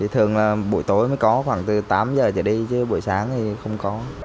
thường là buổi tối mới có khoảng từ tám giờ trở đi buổi sáng thì không có